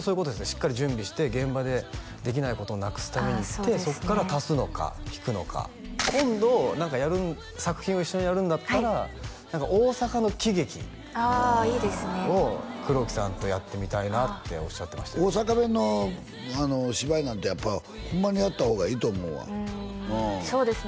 しっかり準備して現場でできないことをなくすためにやってそっから足すのか引くのか今度作品を一緒にやるんだったら大阪の喜劇ああいいですね黒木さんとやってみたいなっておっしゃってました大阪弁の芝居なんてやっぱホンマにやった方がいいと思うわそうですね